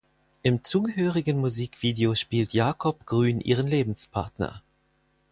Im zugehörigen Musikvideo spielt Jakob Grün ihren Lebenspartner.